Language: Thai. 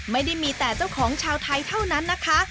ไม่ได้มีแต่เจ้าของชาวไทยเท่านั้นนะคะ